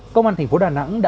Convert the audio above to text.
công an tp đà nẵng đã